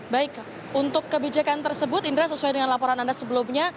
baik untuk kebijakan tersebut indra sesuai dengan laporan anda sebelumnya